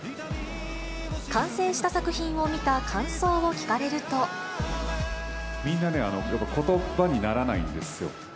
完成した作品を見た感想を聞かれみんな、やっぱことばにならないんですよ。